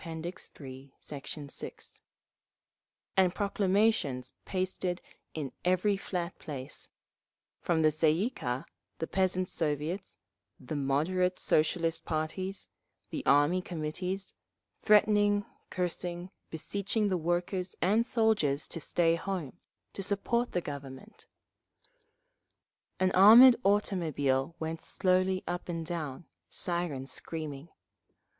III, Sect. 6) and proclamations pasted in every flat place; from the Tsay ee kah, the Peasants' Soviets, the "moderate" Socialist parties, the Army Committees—threatening, cursing, beseeching the workers and soldiers to stay home, to support the Government…. An armoured automobile went slowly up and down, siren screaming.